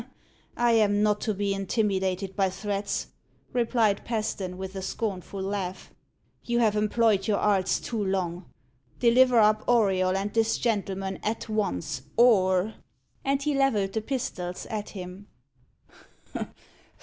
"I am not to be intimidated by threats," replied Paston, with a scornful laugh. "You have employed your arts too long. Deliver up Auriol and this gentleman at once, or " And he levelled the pistols at him.